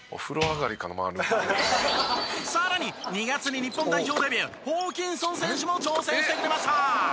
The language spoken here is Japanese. さらに２月に日本代表デビューホーキンソン選手も挑戦してくれました！